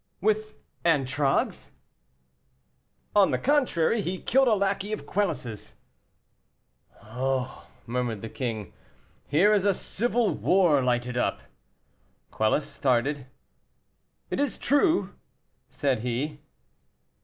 "With Antragues?" "On the contrary, he killed a lackey of Quelus's." "Oh!" murmured the king, "here is a civil war lighted up." Quelus started. "It is true," said he.